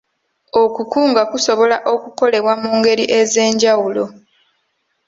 Okukunga kusobola okukolebwa mu ngeri ez'enjawulo.